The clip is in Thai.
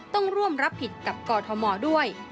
ต้องร่วมรับผิดกับกอทมด้วย